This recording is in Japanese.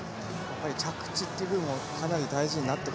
着地という部分かなり大事になってくる？